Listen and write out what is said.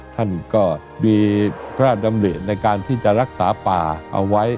ท่านก็มีพระราชดำริในการที่จะรักษาป่าเอาไว้